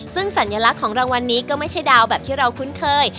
ซึ่งสัญลักษณ์ของรางวัลนี้ก็ไม่ใช่ดาวแบบที่เราคุ้นเคย